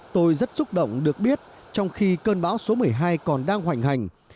tôi rất xúc động được biết trong khi cơn bão số một mươi hai còn đang hoành hành